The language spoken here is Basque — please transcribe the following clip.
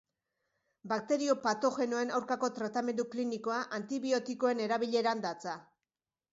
Bakterio patogenoen aurkako tratamendu klinikoa antibiotikoen erabileran datza.